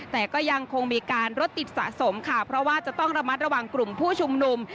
แต่ก็ยังคงมีการรถติดสะสมค่ะเพราะว่าจะต้องระมัดระวังกลุ่มผู้ชุมนุม